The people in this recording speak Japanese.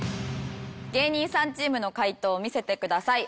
芸人さんチームの解答見せてください。